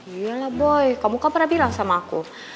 iyalah boy kamu kan pernah bilang sama aku